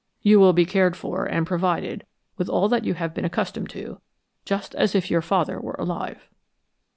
You will be cared for and provided with all that you have been accustomed to, just as if your father were alive."